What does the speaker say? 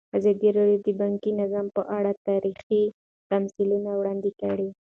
ازادي راډیو د بانکي نظام په اړه تاریخي تمثیلونه وړاندې کړي.